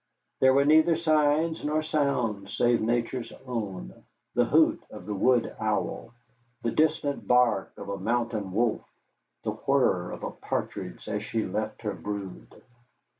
There were neither signs nor sounds save Nature's own, the hoot of the wood owl, the distant bark of a mountain wolf, the whir of a partridge as she left her brood.